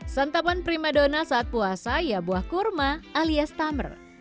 santapan prima donna saat puasa ya buah kurma alias tummer